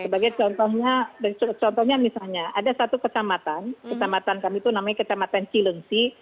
sebagai contohnya contohnya misalnya ada satu kecamatan kecamatan kami itu namanya kecamatan cilensi